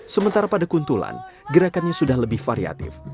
sementara pada kuntulan gerakannya sudah lebih variatif